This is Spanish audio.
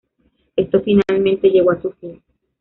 Esto finalmente llegó a su fin.